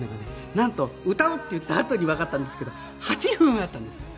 なんと歌うって言ったあとにわかったんですけど８分あったんです。